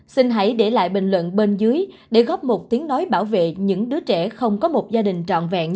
xin hãy để lại bình luận bên dưới để góp một tiếng nói bảo vệ những đứa trẻ không có một gia đình trọn vẹn